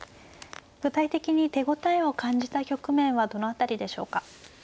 具体的に手応えを感じた局面はどの辺りでしょうか。